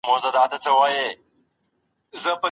امریکایي شرکتونه ولي په افغانستان کي هیڅ پانګونه نه کوي؟